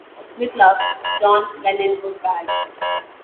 With love, John Lennon of Bag.